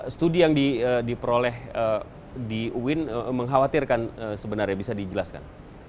studi yang diperoleh di uin mengkhawatirkan sebenarnya bisa dijelaskan